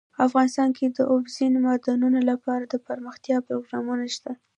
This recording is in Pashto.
افغانستان کې د اوبزین معدنونه لپاره دپرمختیا پروګرامونه شته.